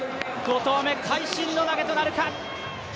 ５投目、会心の投げとなるか！？